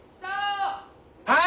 はい！